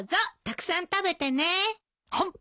たくさん食べてね。